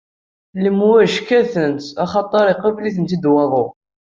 Lemwaǧi kkatent-tt axaṭer iqubel-itt-id waḍu.